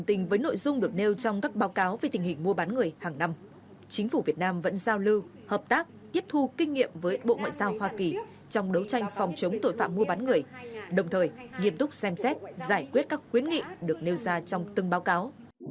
trong các báo cáo về tình hình mua bán người hàng năm chính phủ việt nam vẫn giao lưu hợp tác tiếp thu kinh nghiệm với bộ ngoại giao hoa kỳ trong đấu tranh phòng chống tội phạm mua bán người đồng thời nghiêm túc xem xét giải quyết các khuyến nghị được nêu ra trong từng báo cáo